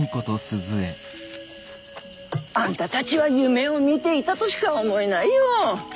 あんたたちは夢を見ていたとしか思えないよ。